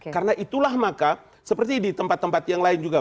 karena itulah maka seperti di tempat tempat yang lain juga